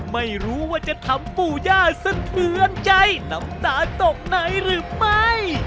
ไม่รู้ว่าจะทำปู่ย่าสะเทือนใจน้ำตาตกไหนหรือไม่